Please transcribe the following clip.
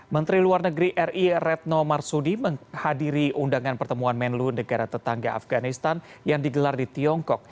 menteri luar negeri ri retno marsudi menghadiri undangan pertemuan menlu negara tetangga afganistan yang digelar di tiongkok